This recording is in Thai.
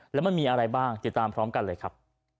แล้วมันมีอะไรบ้างติดตามพร้อมกันเลยครับ